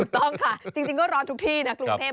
ต้องค่ะจริงก็ร้อนทุกที่นะกรุงเทพ